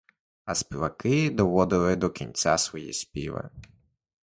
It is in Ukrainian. А співаки доводили до кінця свої співи.